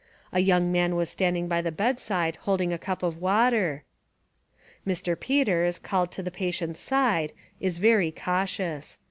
A young man was standing by the bedside holding a cup of water. ..." Mr. Peters, called to the pa tient's side, Is very cautious.